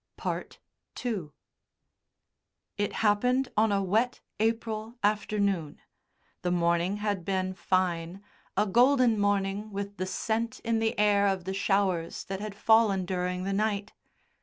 II It happened on a wet April afternoon. The morning had been fine, a golden morning with the scent in the air of the showers that had fallen during the night.